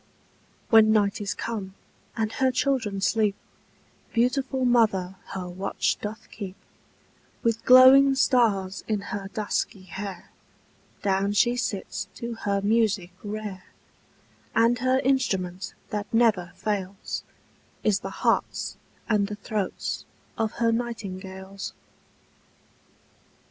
When night is come, and her children sleep, Beautiful mother her watch doth keep; With glowing stars in her dusky hair Down she sits to her music rare; And her instrument that never fails, Is the hearts and the throats of her nightingales.